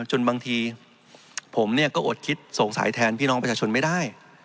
จนบางทีผมก็อดคิดสงสัยแทนพี่น้องประชาชนไม่ได้